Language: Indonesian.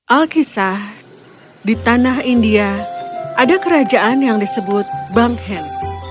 alkisah di tanah india ada kerajaan yang disebut banghen